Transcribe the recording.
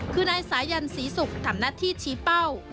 คือนายสายันศรีศุกร์ทำหน้าที่ชี้เป้า